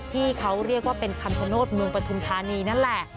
ที่เขาเรียกว่าเป็นคำชโนธเมืองปฐุมธานีนั่นแหละ